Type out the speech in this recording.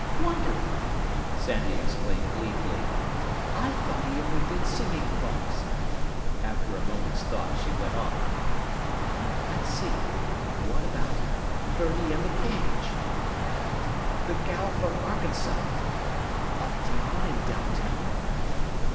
"Wonderful!" Sandy exclaimed gleefully. "I thought he only did singing calls." After a moment's thought, she went on, "Well, let's see. What about 'Birdie in the Cage'?... And 'The Gal from Arkansas' ... 'Uptown and Downtown'...."